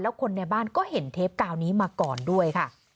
คนในบ้านก็เห็นเทปกาวนี้มาก่อนด้วยค่ะ